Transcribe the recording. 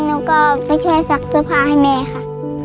หนูก็ไปช่วยสักสภาให้แม่ค่ะ